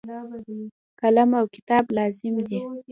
قلم او کتاب لازم دي.